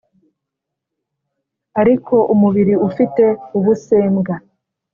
ariko umubiri ufite ubusembwa